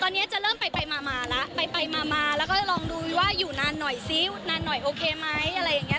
ตอนนี้จะเริ่มไปมาแล้วไปมาแล้วก็ลองดูว่าอยู่นานหน่อยซินานหน่อยโอเคไหมอะไรอย่างนี้